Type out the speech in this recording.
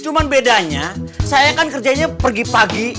cuma bedanya saya kan kerjanya pergi pagi